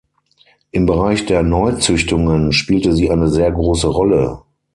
Im Bereich der Neuzüchtungen spielte sie eine sehr große Rolle.